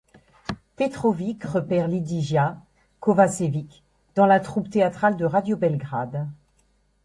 Petrovic repère Lidija Kovačević dans la troupe théâtrale de Radio Belgrade.